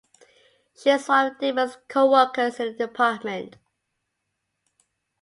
She is one of Dilbert's co-workers in the department.